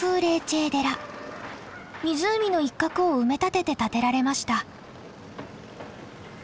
湖の一角を埋め立てて建てられました。